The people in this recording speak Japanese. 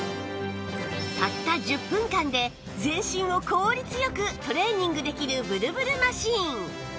たった１０分間で全身を効率よくトレーニングできるブルブルマシン